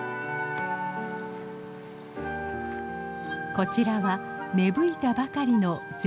こちらは芽吹いたばかりのゼンマイ。